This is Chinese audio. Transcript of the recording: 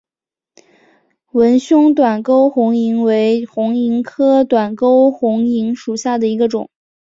纹胸短沟红萤为红萤科短沟红萤属下的一个种。